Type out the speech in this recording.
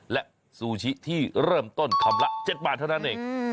และซูชิที่เริ่มต้นคำละ๗บาทเท่านั้นเอง